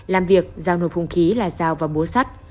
làm việc giao nộp hùng khí lao dao và búa sắt